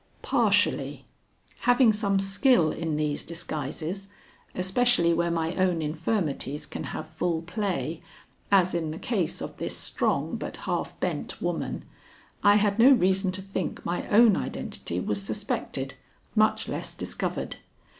"Partially. Having some skill in these disguises, especially where my own infirmities can have full play, as in the case of this strong but half bent woman, I had no reason to think my own identity was suspected, much less discovered.